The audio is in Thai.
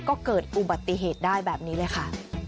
ก็เกิดอุบัติเหตุได้แบบนี้เลยค่ะ